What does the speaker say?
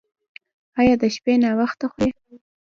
ایا د شپې ناوخته خورئ؟